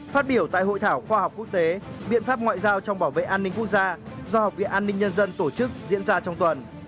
phát biểu tại hội thảo khoa học quốc tế biện pháp ngoại giao trong bảo vệ an ninh quốc gia do học viện an ninh nhân dân tổ chức diễn ra trong tuần